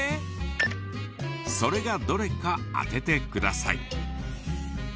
それがどれか当ててください。